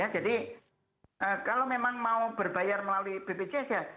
jadi kalau memang mau berbayar melalui bpjs ya